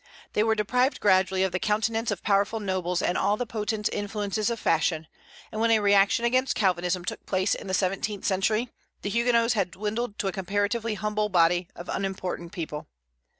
They were deprived gradually of the countenance of powerful nobles and all the potent influences of fashion; and when a reaction against Calvinism took place in the seventeenth century, the Huguenots had dwindled to a comparatively humble body of unimportant people.